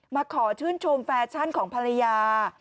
มาขอชื่นชมแฟชั่นของภรรยา